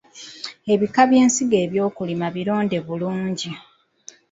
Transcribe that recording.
Ebika by’ensigo eby’okulima bironde bulungi.